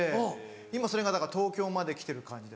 今それがだから東京まで来てる感じですね。